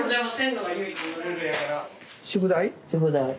宿題。